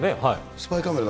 スパイカメラ？